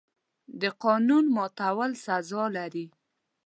د قانون ماتول سزا لري.